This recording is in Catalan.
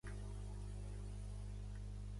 Va morir durant d'Alçament de Varsòvia.